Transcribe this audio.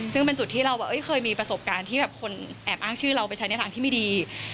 ซึ่งเป็นจุดที่เราเคยมีประสบการณ์ที่แบบคนแอบอ้างชื่อเราไปใช้ในทางที่ไม่ดี